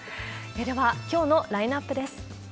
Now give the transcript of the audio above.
では、きょうのラインナップです。